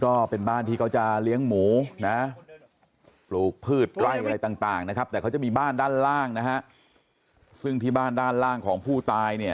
ก็เป็นบ้านที่เขาจะเลี้ยงหมูนะปลูกพืชไร่อะไรต่างนะครับแต่เขาจะมีบ้านด้านล่างนะฮะซึ่งที่บ้านด้านล่างของผู้ตายเนี่ย